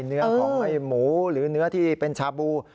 เนื้อของไอ้หมูหรือเนื้อที่เป็นชาบู